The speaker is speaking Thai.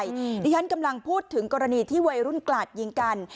ดิฉันกำลังพูดถึงกรณีที่วัยรุ่นกลาดยิงกัน